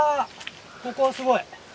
ここはすごい。